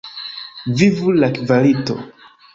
Vivu la kvalito!